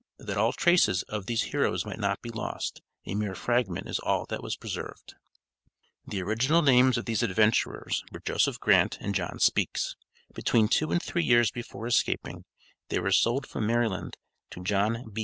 That all traces, of these heroes might not be lost, a mere fragment is all that was preserved. The original names of these adventurers, were Joseph Grant and John Speaks. Between two and three years before escaping, they were sold from Maryland to John B.